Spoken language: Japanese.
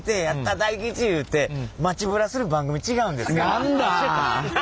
何だ。